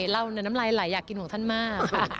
เหล้าน้ำลายไหลอยากกินของท่านมาก